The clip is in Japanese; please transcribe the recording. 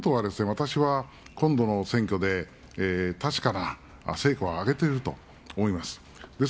私は今度の選挙で、確かな成果を上げていると思います。